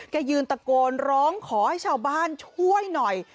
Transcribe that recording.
ยืนตะโกนร้องขอให้ชาวบ้านช่วยหน่อย